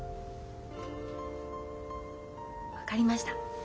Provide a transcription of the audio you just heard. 分かりました。